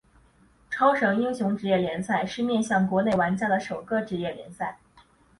超神英雄职业联赛是面向国内玩家的首个职业赛事。